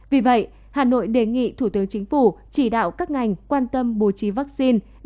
vì vậy hà nội đề nghị thủ tướng chính phủ chỉ đạo các ngành quan tâm bố trí vaccine